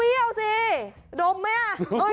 เปรี้ยวสิดมไม่อะ